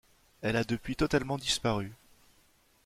Elle a depuis totalement disparu.